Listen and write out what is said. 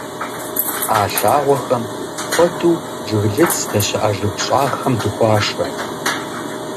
А лъагъуэхэм куэду жыглыц здэщыӏэ жыг щӀагъхэм дыхуашэ.